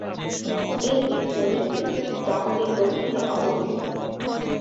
এই দ্বীপপুঞ্জটি জার্সির দক্ষিণে অবস্থিত।